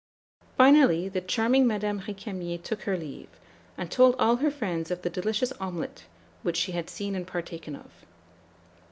"Finally, the charming Madame Récamier took her leave, and told all her friends of the delicious omelet which she had seen and partaken of."